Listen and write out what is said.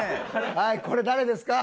はいこれ誰ですか？